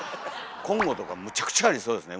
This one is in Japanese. コンゴとかむちゃくちゃありそうですね。